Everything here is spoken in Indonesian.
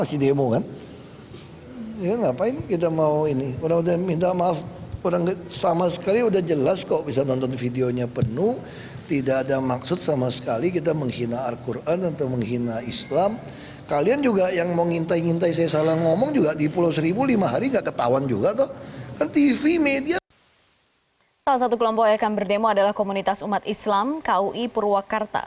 salah satu kelompok yang akan berdemo adalah komunitas umat islam kui purwakarta